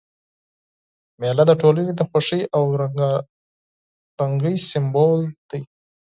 مېله د ټولني د خوښۍ او رنګارنګۍ سېمبول ده.